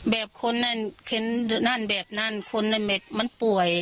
แบบคนนั้นแบบนั้นคนนั้นมันป่วย